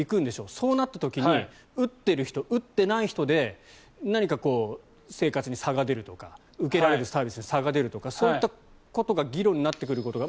そうなった時に打ってる人、打ってない人で何か生活に差が出るとか受けられるサービスに差が出るとかそういったことが議論になってくることが。